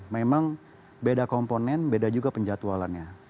memang beda komponen beda juga penjatualannya